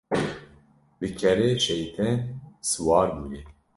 Li kerê şeytên siwar bûye.